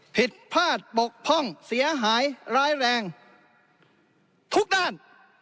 ผิดพลาดบกพร่องเสียหายร้ายแรงทุกด้าน